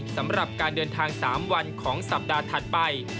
สำหรับการเดินทาง๓วันของสัปดาห์ถัดไป